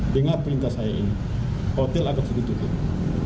dengan perintah saya ini hotel akan sedikit sedikit